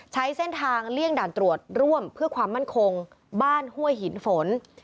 ใช้เส้นทางเลี่ยงด่านตรวจร่วมเพื่อความมั่นคงบ้านห้วยหินฝน